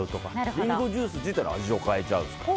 リンゴジュース自体の味を変えちゃうんですか。